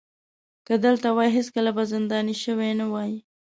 که دلته وای هېڅکله به زنداني شوی نه وای.